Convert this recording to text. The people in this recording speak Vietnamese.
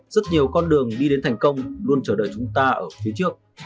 rất nhiều con đường đi đến thành công luôn chờ đợi chúng ta ở phía trước